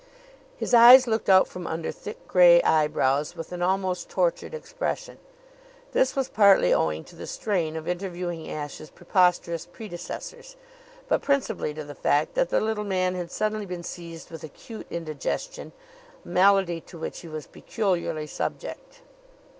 His eyes looked out from under thick gray eyebrows with an almost tortured expression. This was partly owing to the strain of interviewing Ashe's preposterous predecessors, but principally to the fact that the little man had suddenly been seized with acute indigestion, a malady to which he was peculiarly subject.